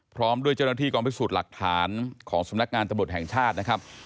พร้อมด้วยเจ้าหน้าที่กองพิสูจน์หลักฐานของสำนักงานตำรวจแห่งชาตินะครับ